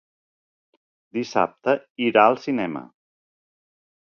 Dissabte irà al cinema.